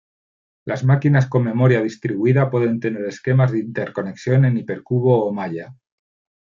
Las máquinas con memoria distribuida pueden tener esquemas de interconexión en hipercubo o malla.